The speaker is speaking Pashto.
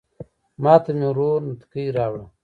ماته مې ورور نتکۍ راوړه